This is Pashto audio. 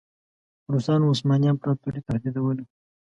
روسانو عثماني امپراطوري تهدیدوله.